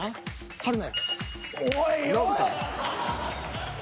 春菜。